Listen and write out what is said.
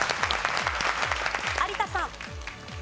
有田さん。